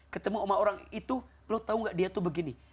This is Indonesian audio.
ketemu sama orang itu lo tau gak dia tuh begini